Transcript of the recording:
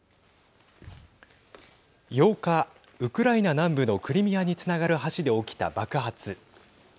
８日、ウクライナ南部のクリミアにつながる橋で起きた爆発。